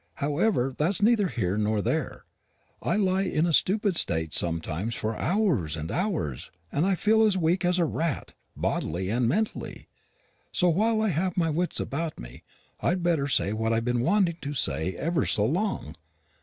However, that's neither here nor there. I lie in a stupid state sometimes for hours and hours, and I feel as weak as a rat, bodily and mentally; so while I have my wits about me, I'd better say what I've been wanting to say ever so long.